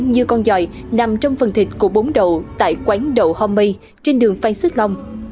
như con dòi nằm trong phần thịt của bốn đậu tại quán đậu homemade trên đường phan xích long